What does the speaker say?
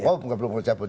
oh belum dicabut